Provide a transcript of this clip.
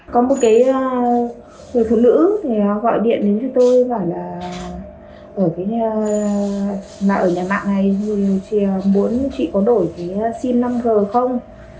có một người phụ nữ gọi điện đến với tôi gọi là ở nhà mạng này muốn chị có đổi sim năm g không